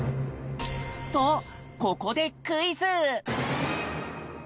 とここでクイズ！